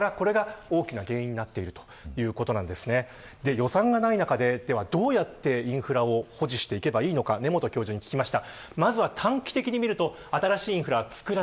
予算がない中ででは、どうやってインフラを保持していけばいいのか根本教授に聞きました。